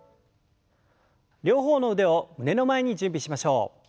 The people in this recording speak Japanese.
両方の腕を胸の前に準備しましょう。